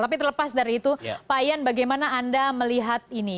tapi terlepas dari itu pak ian bagaimana anda melihat ini